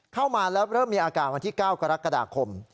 เข้ามาแล้วเริ่มมีอาการวันที่๙กรกฎาคม